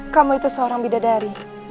kamu itu seorang bidadari